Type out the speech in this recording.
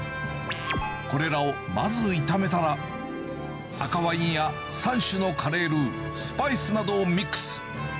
これらをまず炒めたら、赤ワインや３種のカレールー、スパイスなどをミックス。